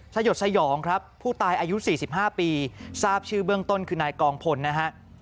สยดสยองครับผู้ตายอายุ๔๕ปีทราบชื่อเบื้องต้นคือนายกองพลนะฮะ